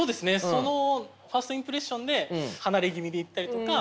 そのファーストインプレッションで離れ気味でいったりとか。